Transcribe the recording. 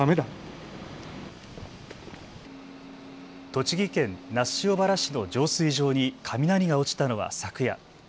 栃木県那須塩原市の浄水場に雷が落ちたのは昨夜。